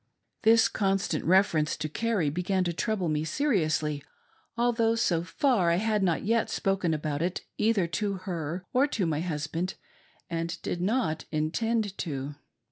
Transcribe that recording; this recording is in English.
This constant reference to Carrie began to trouble me se riously, although, so far, I had not yet spoken about it either to her or to my husband, and did not intend to.